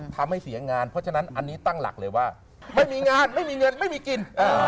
ทำให้เสียงานเพราะฉะนั้นอันนี้ตั้งหลักเลยว่าไม่มีงานไม่มีเงินไม่มีกิน